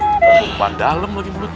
bumpan dalem lagi mulut